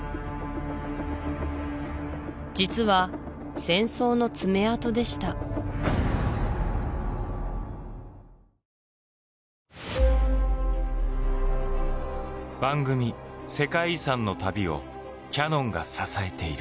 実は戦争の爪痕でした番組「世界遺産」の旅をキヤノンが支えている。